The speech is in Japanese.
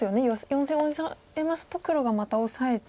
４線オサえますと黒がまたオサえて。